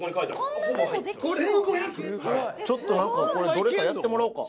ちょっとなんかこれどれかやってもらおうか。